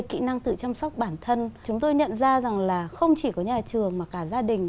kỹ năng tự chăm sóc bản thân chúng tôi nhận ra rằng là không chỉ có nhà trường mà cả gia đình